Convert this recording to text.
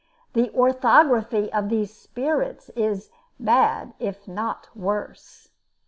The orthography of these "spirits" is "bad if not worse."